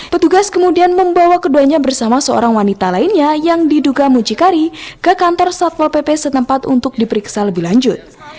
petugas kemudian membawa keduanya bersama seorang wanita lainnya yang diduga mucikari ke kantor satpol pp setempat untuk diperiksa lebih lanjut